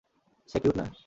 সে cute না?